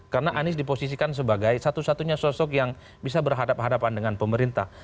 karena anies diposisikan sebagai satu satunya sosok yang bisa berhadapan hadapan dengan pemerintah